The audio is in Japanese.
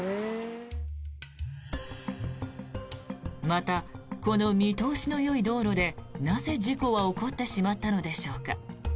また、この見通しのよい道路でなぜ事故は起こってしまったのでしょうか。